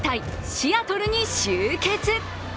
シアトルに集結。